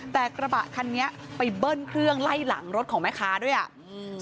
แต่กระบะคันนี้ไปเบิ้ลเครื่องไล่หลังรถของแม่ค้าด้วยอ่ะอืม